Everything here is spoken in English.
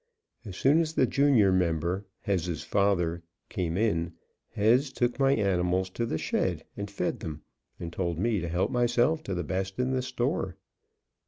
As soon as the junior member, Hez's father, came in, Hez took my animals to the shed and fed them, and told me to help myself to the best in the store.